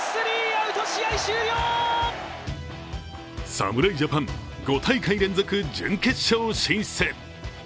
侍ジャパン、５大会連続準決勝進出。